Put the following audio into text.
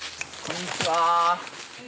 こんにちは。